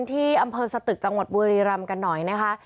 ที่อำเภอสตึกจังหวัดบุรีรำกันหน่อยนะคะ